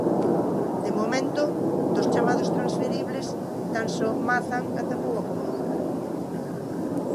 De momento, dos chamados transferibles tan só Mazan atopou acomodo.